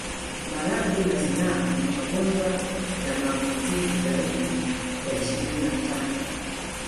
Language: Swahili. Maradhi ya zinaa ni magonjwa ya maambukizi zaidi ya ishirini na tano